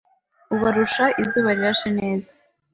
Ubarusha izuba rirashe neza